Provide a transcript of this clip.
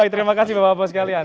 terima kasih bapak ibu sekalian